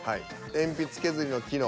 鉛筆削りの機能。